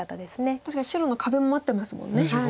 確かに白の壁も待ってますもんね。